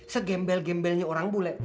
segembel gembelnya orang bule